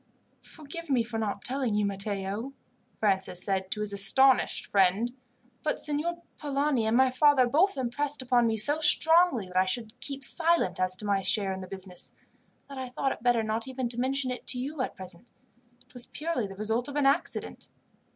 "Forgive me for not telling you, Matteo," Francis said to his astonished friend; "but Signor Polani, and my father, both impressed upon me so strongly that I should keep silent as to my share in the business, that I thought it better not even to mention it to you at present. It was purely the result of an accident."